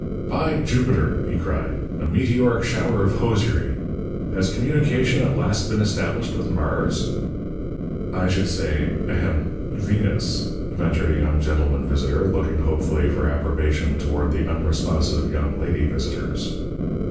"By Jupiter!" he cried. "A meteoric shower of hosiery! Has communication at last been established with Mars?" "I should say ahem Venus," ventured a young gentleman visitor, looking hopefully for approbation toward the unresponsive young lady visitors.